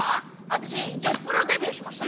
私女子プロデビューしました。